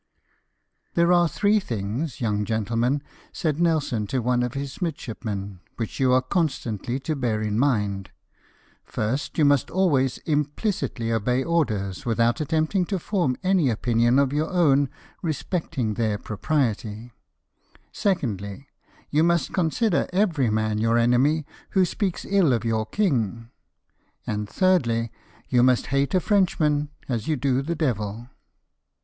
" There are three things, young gentleman," said Nelson to one of his midshipmen, " which you are constantly to bear in mind :— First, you must always implicitly obey orders, without attempting to form any opinion of your own respecting their propriety; secondly, you must consider every man your enemy who speaks ill of your king ; and, thirdly, you must hate a Frenchman as you do the devil."